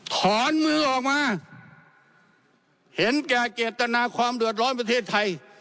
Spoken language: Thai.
ถอนมือออกมาเห็นแก่เจตนาความเดือดร้อนประเทศไทย